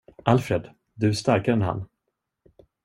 Alfred, du är starkare än han.